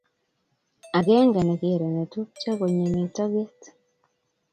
akenge nekere netupcho konyeme toget